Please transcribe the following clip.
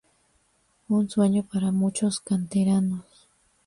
Un sueño para muchos canteranos.